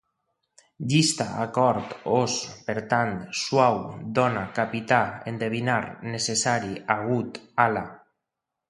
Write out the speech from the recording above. Llista: acord, os, per tant, suau, dona, capità, endevinar, necessari, agut, ala